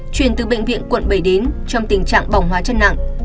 chuyển từ bệnh viện quận bảy đến trong tình trạng bỏng hóa chất nặng